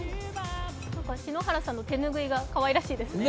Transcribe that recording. なんか、篠原さんの手拭いがかわいらしいですね。